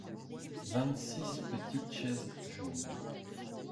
vingt six petites chaises jaunes.